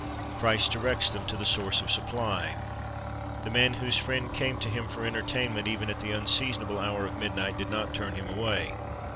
Christ directs them to the source of supply. The man whose friend came to him for entertainment, even at the unseasonable hour of midnight, did not turn him away.